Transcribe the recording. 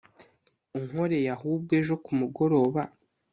unkoreye ahubwo ejo kumugoroba